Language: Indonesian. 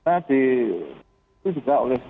itu juga oleh